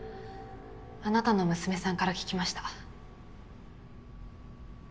あなたの娘さんから聞きました。